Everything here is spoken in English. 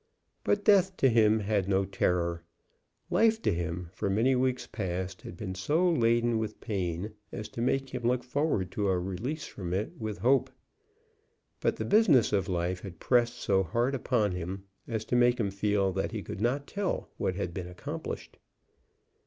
But death to him had no terror. Life to him, for many weeks past, had been so laden with pain as to make him look forward to a release from it with hope. But the business of life had pressed so hard upon him as to make him feel that he could not tell what had been accomplished.